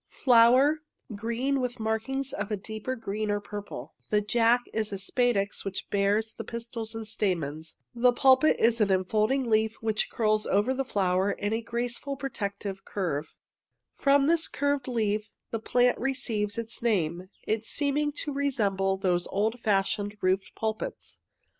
Flower — green, with markings of a deeper green or purple — the " Jack " is a spadix which bears the pistils and stamens — the pulpit " is an enfolding leaf which curls over the flower in a graceful, protecting curve 71 72 JACK IN THE PULPIT — from this curved leaf the plant receives its name, it seeming to resemble those old fash ioned roofed pulpits.